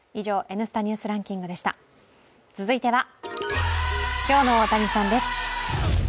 続いては、今日の大谷さんです。